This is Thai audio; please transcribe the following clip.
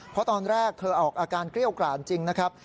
เพราะตอนแรกเธอออกอาการเกรี้ยวกรานจริงนะครับ